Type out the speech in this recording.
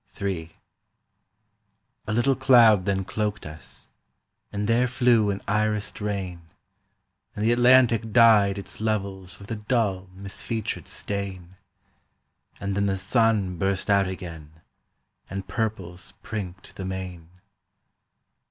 III A little cloud then cloaked us, and there flew an irised rain, And the Atlantic dyed its levels with a dull misfeatured stain, And then the sun burst out again, and purples prinked the main.